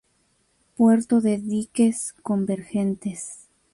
Puerto de diques convergentes.